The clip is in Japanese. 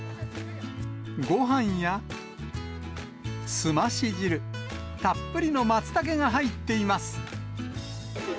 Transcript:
ごはんやすまし汁、たっぷりのマツタケが入っています。